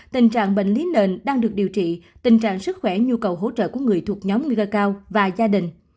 tình trạng bệnh lý nền đang được điều trị tình trạng sức khỏe nhu cầu hỗ trợ của người thuộc nhóm nguy cơ cao và gia đình